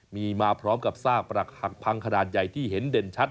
มีมาพร้อมกับซากปรักหักพังขนาดใหญ่ที่เห็นเด่นชัด